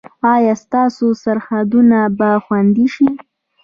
ایا ستاسو سرحدونه به خوندي شي؟